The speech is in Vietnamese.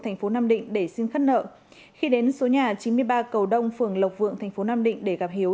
tp nam định để xin khắt nợ khi đến số nhà chín mươi ba cầu đông phường lộc vượng tp nam định để gặp hiếu